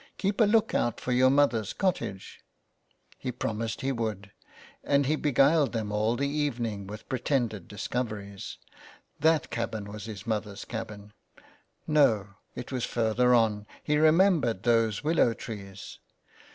Keep a look out for your mother's cottage." He promised he would, and he beguiled them all the evening with pretended discoveries. That cabin was his mother's cabin. No, it was further on, he remembered those willow trees.